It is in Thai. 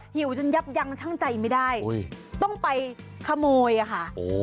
หิวจนยับยังช่างใจไม่ได้ต้องไปขโมยอ่ะค่ะโอ้